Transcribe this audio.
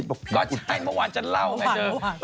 บอกผีอุดใจก็ใช่เมื่อวานฉันเล่าไงเธอ